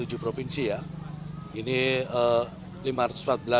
ketua kwarna segerakan pramuka budiwaseso memastikan jambore nasional kali ini